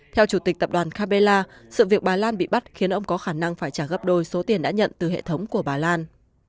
theo chủ tịch tập đoàn capella sự việc bà lan bị bắt khiến ông có khả năng phải trả gấp đôi số tiền đã nhận từ hệ thống của bà lan